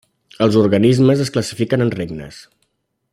Els organismes es classifiquen en regnes.